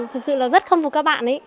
thực sự là rất khâm phục các bạn ấy